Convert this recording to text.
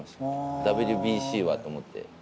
ＷＢＣはと思って。